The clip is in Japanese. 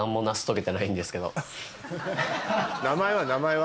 名前は？